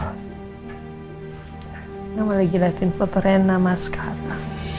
aku lagi liatin potrena maskara